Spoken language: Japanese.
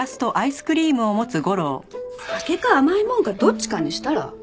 酒か甘いもんかどっちかにしたら？